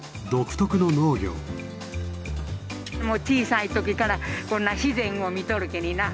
もう小さい時からこんな自然を見とるけにな。